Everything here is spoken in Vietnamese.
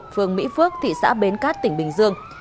phường mỹ phước thị xã bến cát tỉnh bình dương